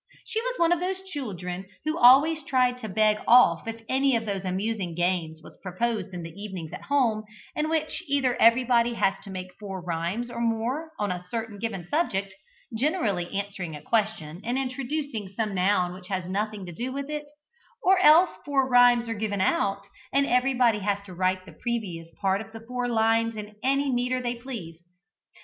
She was one of those children who always tried to beg off if any of those amusing games was proposed in the evenings at home, in which either everybody has to make four rhymes or more on a certain given subject, generally answering a question and introducing some noun which has nothing to do with it, or else four rhymes are given out, and everybody has to write the previous part of the four lines in any metre they please.